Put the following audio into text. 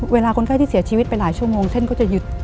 คนไข้ที่เสียชีวิตไปหลายชั่วโมงเส้นก็จะหยุด